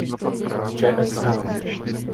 V čsl.